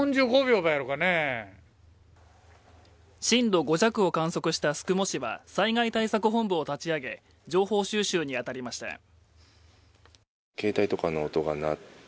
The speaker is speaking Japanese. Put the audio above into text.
震度５弱を観測した宿毛市は災害対策本部を立ち上げ、情報収集に当たりました。